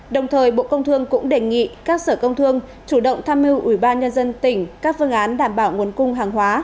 đồng thời bộ công thương cũng đề nghị các sở công thương chủ động tham mưu ủy ban nhân dân tỉnh các phương án đảm bảo nguồn cung hàng hóa